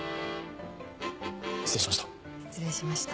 失礼しました。